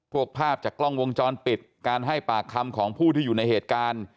ภาพจากกล้องวงจรปิดการให้ปากคำของผู้ที่อยู่ในเหตุการณ์